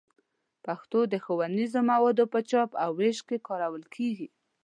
پښتو د ښوونیزو موادو په چاپ او ویش کې کارول کېږي.